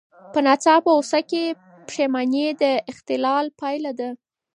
په ناڅاپه غوسه کې پښېماني د اختلال پایله ده.